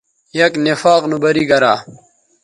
یک نفاق نو بری گرا